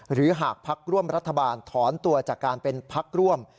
หากพักร่วมรัฐบาลถอนตัวจากการเป็นพักร่วม